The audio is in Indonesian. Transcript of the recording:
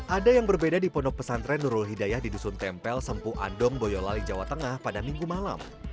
ada yang berbeda di pondok pesantren nurul hidayah di dusun tempel sempu adong boyolali jawa tengah pada minggu malam